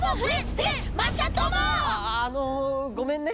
あのごめんね。